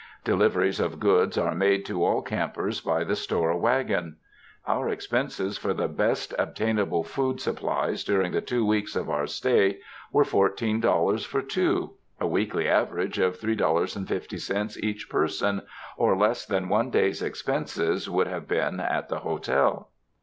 Deliveries of goods are made to all campers by the store wagon. Our expenses for the best ob tainable food supplies during the two weeks of our stay were $14 for two — a weekly average of $3.50 each person, or less than one day's expenses would have been at the hotel.